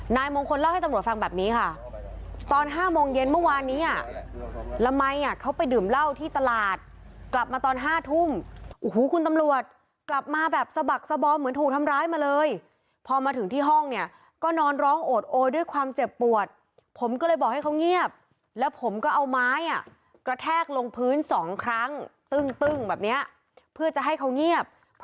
นายมงคลเล่าให้ตำรวจฟังแบบนี้ค่ะตอน๕โมงเย็นเมื่อวานนี้อ่ะละมัยอ่ะเขาไปดื่มเหล้าที่ตลาดกลับมาตอน๕ทุ่มโอ้โหคุณตำรวจกลับมาแบบสะบักสบอมเหมือนถูกทำร้ายมาเลยพอมาถึงที่ห้องเนี่ยก็นอนร้องโอดโอด้วยความเจ็บปวดผมก็เลยบอกให้เขาเงียบแล้วผมก็เอาไม้อ่ะกระแทกลงพื้นสองครั้งตึ้งตึ้งแบบเนี้ยเพื่อจะให้เขาเงียบ